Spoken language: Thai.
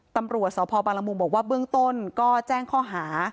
ตำรวจสพบางละมุงบอกว่าเบื้องต้นก็แจ้งข้อหา